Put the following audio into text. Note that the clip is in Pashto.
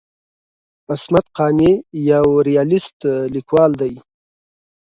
عصمت قانع یو ریالیست لیکوال دی.